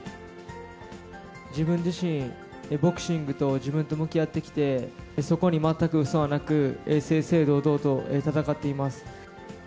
自分自身、ボクシングと自分と向き合ってきて、そこに全くうそはなく、正々堂々と戦っています。